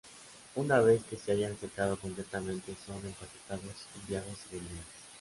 Una vez que se hayan secado completamente, son empaquetados, enviados y vendidos.